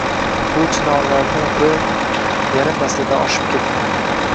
Bu chinorlarni umri... yarim asrdan oshib ketdi.